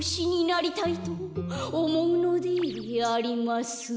「おもうのでありますうう」